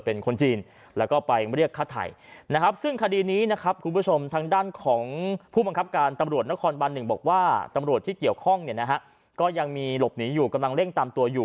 ออกไหมจับตำรวจตรวจคนเข้าเมือง๔คน